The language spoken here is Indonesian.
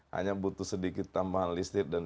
hanya butuh sedikit tambah listrik dan